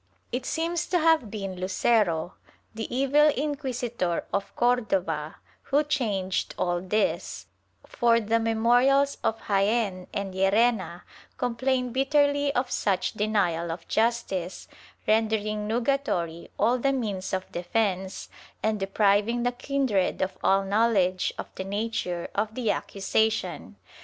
It seems to have been Lucero, the evil inquis itor of Cordova, who changed all this, for the memorials of Jaen and Llerena complain bitterly of such denial of justice, rendering nugatory all the means of defence, and depriving the kindred of all knowledge of the nature of the accusation.